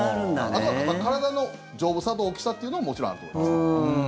あとは体の丈夫さと大きさっていうのはもちろんあると思います。